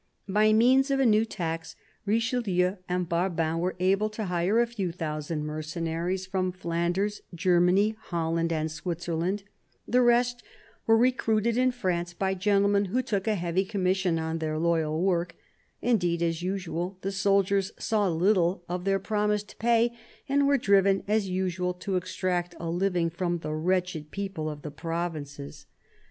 By means of a new tax, Richelieu and Barbin were able to hire a few thousand mercenaries from Flanders, Germany, Holland and Switzerland ; the rest were recruited in France by gentlemen who took a heavy commission on their loyal work : indeed, as usual, the soldiers saw little of their promised pay, and were driven, as usual, to extract a living from the wretched people of the provinces.